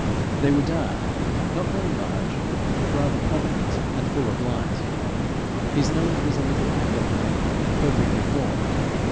They were dark, not very large, but rather prominent, and full of light. His nose was a little aquiline, and perfectly formed.